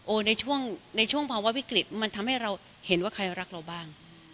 ในช่วงในช่วงภาวะวิกฤตมันทำให้เราเห็นว่าใครรักเราบ้าง